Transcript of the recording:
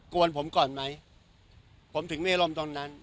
กวนผมก่อนไหมผมถึงเมลมตรงนั้น